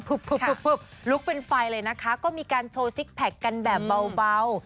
ลุกเป็นไฟเลยนะคะก็มีการโชว์ซิกแพคกันแบบเบา